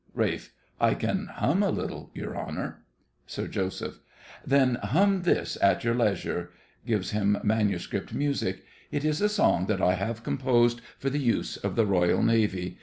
RALPH. I can hum a little, your honour. SIR JOSEPH. Then hum this at your leisure. (Giving him MS. music.) It is a song that I have composed for the use of the Royal Navy.